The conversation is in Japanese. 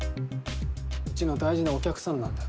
うちの大事なお客さんなんだ。